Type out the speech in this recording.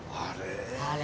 あれ？